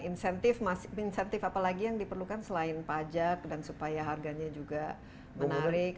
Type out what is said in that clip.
insentif apa lagi yang diperlukan selain pajak dan supaya harganya juga menarik